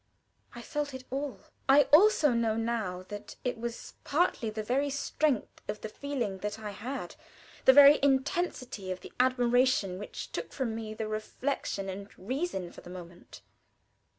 I felt it all: I also know now that it was partly the very strength of the feeling that I had the very intensity of the admiration which took from me the reflection and reason for the moment.